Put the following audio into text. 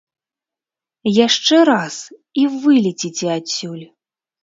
Яшчэ раз, і вылеціце адсюль!